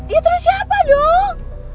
ya terus siapa dong